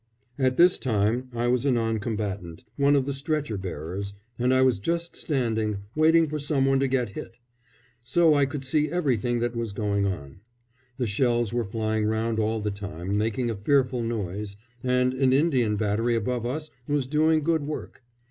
At this time I was a non combatant, one of the stretcher bearers, and I was just standing, waiting for somebody to get hit; so I could see everything that was going on. The shells were flying round all the time, making a fearful noise, and an Indian battery above us was doing good work.